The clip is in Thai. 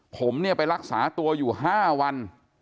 ผมเนี่ยไปรักษาตัวอยู่๕วัน